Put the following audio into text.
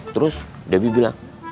terus deby bilang